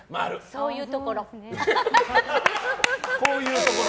こういうところ。